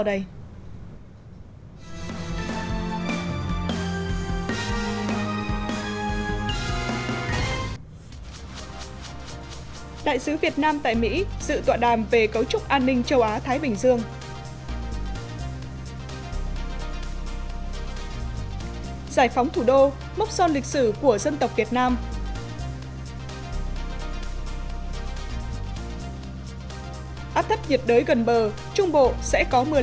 hãy nhớ like share và đăng ký kênh của chúng mình nhé